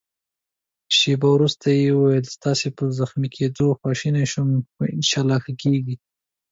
شېبه وروسته يې وویل: ستاسي په زخمي کېدو خواشینی شوم، خو انشاالله ښه کېږې.